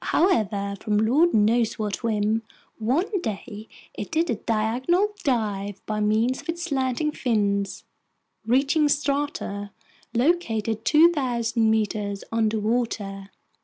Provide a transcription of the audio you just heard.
However, from lord knows what whim, one day it did a diagonal dive by means of its slanting fins, reaching strata located 2,000 meters underwater.